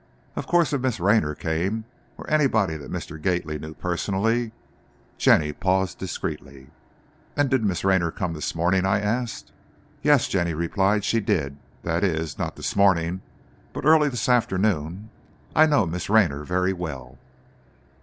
Of course, if Miss Raynor came, or anybody that Mr. Gately knew personally " Jenny paused discreetly. "And did Miss Raynor come this morning?" I asked. "Yes," Jenny replied, "she did. That is, not this morning, but early this afternoon. I know Miss Raynor very well."